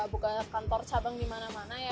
buka kantor cabang di mana mana ya